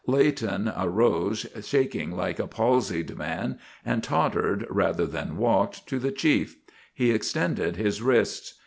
Leighton arose, shaking like a palsied man, and tottered, rather than walked, to the Chief. He extended his wrists.